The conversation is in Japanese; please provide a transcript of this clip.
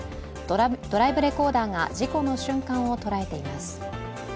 ドライブレコーダーが事故の瞬間を捉えています。